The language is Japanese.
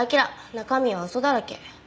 中身は嘘だらけ。